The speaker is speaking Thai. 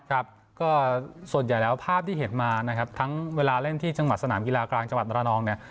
ครับก็ส่วนใหญ่แล้วภาพที่เห็นมานะครับทั้งเวลาเล่นที่จังหวัดสนามกีฬากลางจังหวัดมรนองเนี่ย